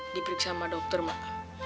diperiksa sama dokter emak